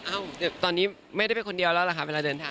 ตอนนี้ไม่ได้ไปคนเดียวแล้วล่ะค่ะเวลาเดินทาง